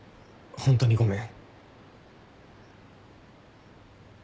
ホントにごめん。